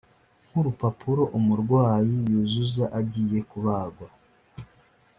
nk urupapuro umurwayi yuzuza agiye kubagwa